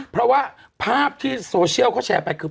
เพราะว่าภาพที่โซเชียลเขาแชร์ไปคือ